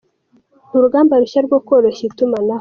Urugamba rushya rwo koroshya itumanaho